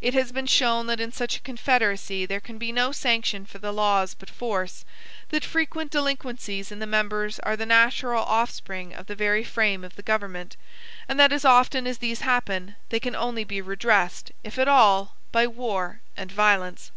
It has been shown that in such a Confederacy there can be no sanction for the laws but force; that frequent delinquencies in the members are the natural offspring of the very frame of the government; and that as often as these happen, they can only be redressed, if at all, by war and violence.